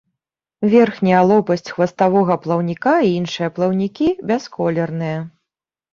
Верхняя лопасць хваставога плаўніка і іншыя плаўнікі бясколерныя.